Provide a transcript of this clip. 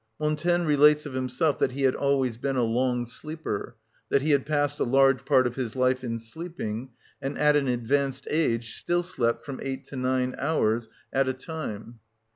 Montaigne relates of himself that he had always been a long sleeper, that he had passed a large part of his life in sleeping, and at an advanced age still slept from eight to nine hours at a time (Liv.